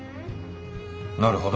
なるほど。